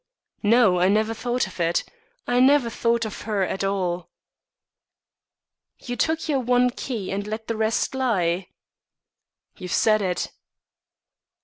"No, I never thought of it. I never thought of her at all." "You took your one key, and let the rest lie?" "You've said it."